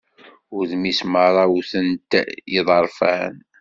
Udem-is merra wwten-t yiḍerfan.